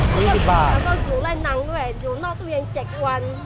แล้วก็อยู่แล้วนั้นด้วยอยู่นอกตู้เย็น๗วัน